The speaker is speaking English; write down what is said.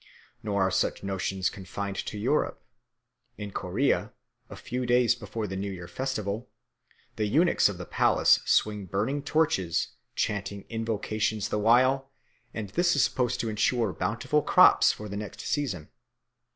Nor are such notions confined to Europe. In Corea, a few days before the New Year festival, the eunuchs of the palace swing burning torches, chanting invocations the while, and this is supposed to ensure bountiful crops for the next season.